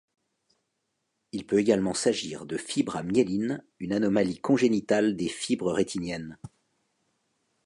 Il peut également s'agir de fibres à myéline, une anomalie congénitale des fibres rétiniennes.